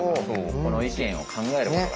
この意見を考えることが。